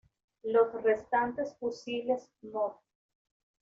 Los restantes fusiles Mod.